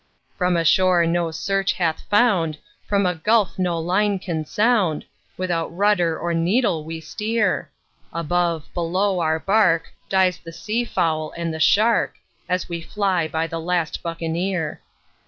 "From a shore no search hath found, from a gulf no line can sound, Without rudder or needle we steer; Above, below, our bark, dies the sea fowl and the shark, As we fly by the last Buccaneer.